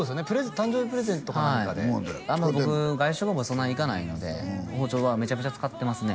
誕生日プレゼントか何かであんま僕外食もそんなに行かないので包丁はメチャメチャ使ってますね